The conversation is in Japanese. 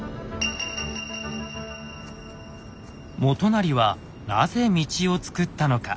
元就はなぜ道をつくったのか。